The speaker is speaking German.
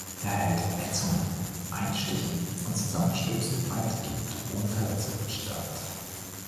Er hält Ätzungen, Einstichen und Zusammenstößen weitgehend ohne Verletzungen stand.